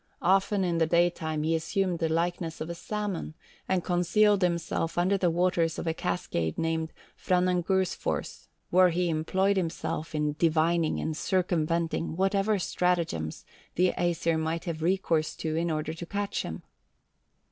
Often in the daytime he assumed the likeness of a salmon, and concealed himself under the waters of a cascade called Franangursfors, where he employed himself in divining and circumventing whatever stratagems the Æsir might have recourse to in order to catch him.